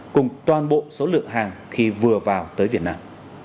cùng toàn bộ số lượng hàng khi vừa vào tới việt nam